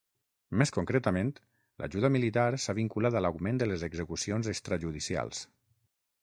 Més concretament, l'ajuda militar s'ha vinculat a l'augment de les execucions extrajudicials.